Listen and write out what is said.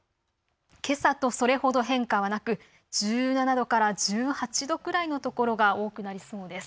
けさとそれほど変化はなく１７度から１８度くらいの所が多くなりそうです。